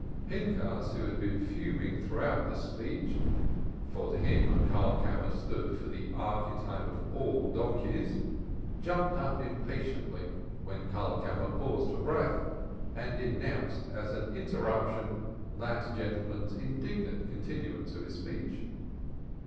Pinchas, who had been fuming throughout this speech, for to him Karlkammer stood for the archetype of all donkeys, jumped up impatiently when Karlkammer paused for breath and denounced as an interruption that gentleman's indignant continuance of his speech.